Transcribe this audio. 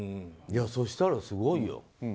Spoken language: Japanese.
そうしたら、すごいよ。